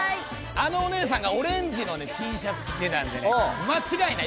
あのお姉さんがオレンジのＴシャツを着てたんで、間違いない。